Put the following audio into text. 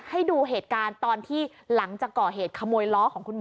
ให้ดูเหตุการณ์ตอนที่หลังจากก่อเหตุขโมยล้อของคุณหมอ